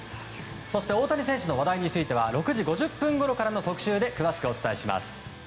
そして大谷翔平選手の話題については６時５０分ごろからの特集で詳しくお伝えします。